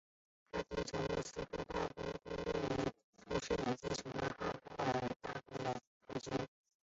他在继承莫斯科大公公位同时也继承了弗拉基米尔大公的头衔。